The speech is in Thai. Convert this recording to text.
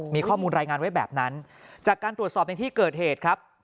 มีข้อมูลรายงานไว้แบบนั้นจากการตรวจสอบในที่เกิดเหตุครับ